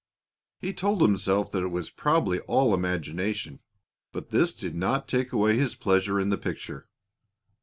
He told himself that it was probably all imagination, but this did not take away his pleasure in the picture.